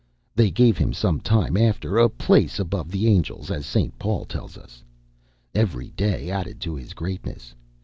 They gave him some time after, a place above the angels, as St. Paul tells us. Every day added to his greatness.